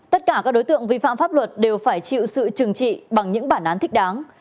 tất cả các đối tượng vi phạm pháp luật đều phải chịu sự trừng trị bằng những bản án thích đáng